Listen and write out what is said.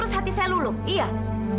mudah banget ya ini pihak